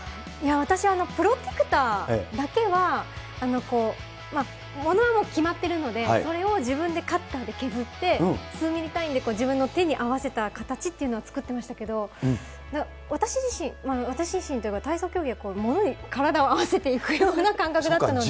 私、プロテクターだけは、物はもう決まってるので、それを自分でカッターで削って、数ミリ単位で自分の手に合わせた形っていうのを作ってましたけど、私自身、私自身というか、体操競技は物に体を合わせていくような感覚だったので。